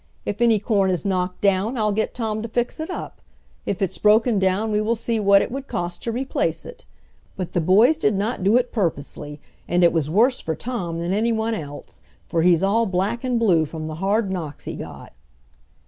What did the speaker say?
If any corn is knocked down I'll get Tom to fix it up, if it's broken down we will see what it would cost to replace it. But the boys did not do it purposely, and it was worse for Tom than anyone else, for he's all black and blue from the hard knocks he got."